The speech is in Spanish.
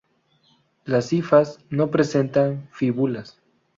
Las hifas no presentan fíbulas.